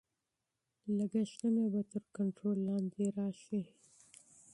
لګښتونه به تر کنټرول لاندې راشي.